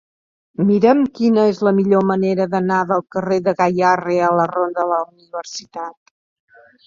Mira'm quina és la millor manera d'anar del carrer de Gayarre a la ronda de la Universitat.